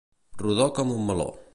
Rodó com un meló.